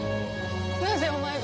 なぜお前が。